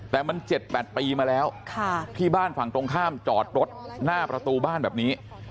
แต่มัน๗๘ปีมาแล้วที่บ้านฝั่งตรงข้ามจอดรถหน้าประตูบ้านแบบนี้